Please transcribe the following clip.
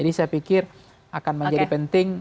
jadi saya pikir akan menjadi penting